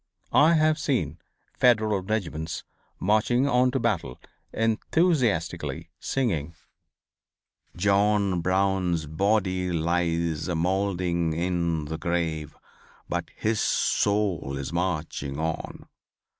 I have seen Federal regiments marching on to battle enthusiastically singing: "John Brown's body lies a mould'ring in the grave, But his soul is marching on."